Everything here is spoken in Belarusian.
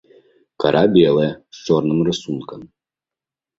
Кара белая, з чорным рысункам.